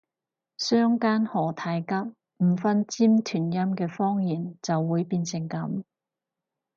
相姦何太急，唔分尖團音嘅方言就會變成噉